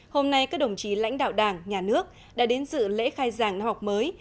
hôm nay các đồng chí lãnh đạo đảng nhà nước đã đến dự lễ khai giảng năm học mới